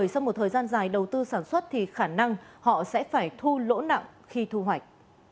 gian dài đầu tư sản xuất thì khả năng họ sẽ phải thu lỗ nặng khi thu hoạch